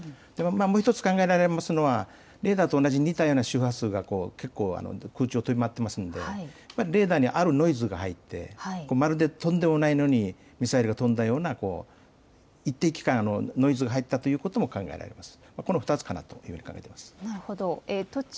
もう１つ考えられますのはレーダーと同じ似たような周波数が結構、空中を飛び回っていますのでレーダーにあるノイズが入ってまるで飛んでいないのにミサイルが飛んだような一定期間ノイズがが入ったということも考えられます。